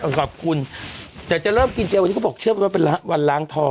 ๗เพราะฉันขอขอบคุณแต่จะเริ่มกินเจ็บก็ก็บอกเชื่อว่าเป็นวันล้างท้อง